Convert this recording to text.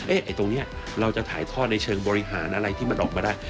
ไอ้ตรงนี้เราจะถ่ายทอดในเชิงบริหารอะไรที่มันออกมาได้